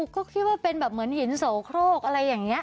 ก็คิดว่าเป็นแบบเหมือนหินโสโครกอะไรอย่างนี้